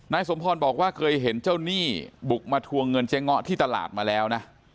สมพรบอกว่าเคยเห็นเจ้าหนี้บุกมาทวงเงินเจ๊ง้อที่ตลาดมาแล้วนะ